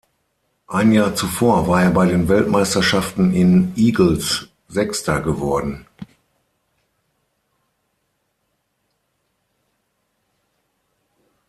Ein Jahr zuvor war er bei den Weltmeisterschaften in Igls Sechster geworden.